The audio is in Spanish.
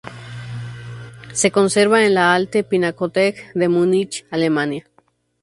Se conserva en la Alte Pinakothek de Múnich, Alemania.